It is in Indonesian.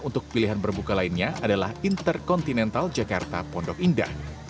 untuk pilihan berbuka lainnya adalah intercontinental jakarta pondok indah